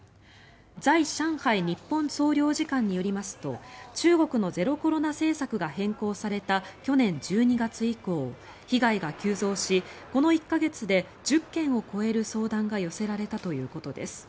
在上海日本総領事館によりますと中国のゼロコロナ政策が変更された去年１２月以降、被害が急増しこの１か月で１０件を超える相談が寄せられたということです。